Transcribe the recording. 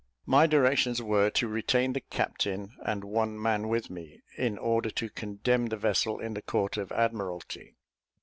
My directions were to retain the captain and one man with me, in order to condemn the vessel in the Court of Admiralty.